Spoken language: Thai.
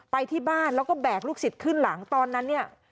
ไปที่บ้านแล้วก็แบกลูกศิษย์ขึ้นหลังตอนนั้นเนี่ย